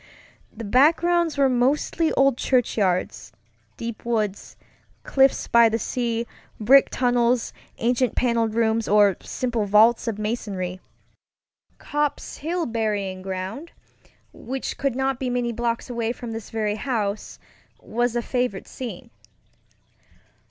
The backgrounds were mostly old churchyards, deep woods, cliffs by the sea, brick tunnels, ancient paneled rooms, or simple vaults of masonry. Copp's Hill Burying Ground, which could not be many blocks away from this very house, was a favorite scene.